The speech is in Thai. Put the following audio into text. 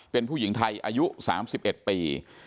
เป็นผู้หญิงไทยอายุ๓๑ปี